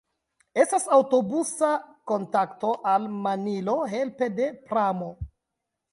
Estas aŭtobusa kontakto al Manilo helpe de pramo.